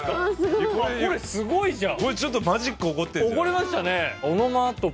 これすごいじゃん！